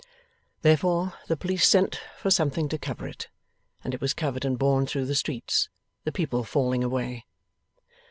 Therefore, the police sent for something to cover it, and it was covered and borne through the streets, the people falling away.